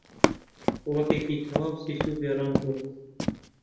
ڕووەکێکی تەواو سیس و بێڕەنگ بوو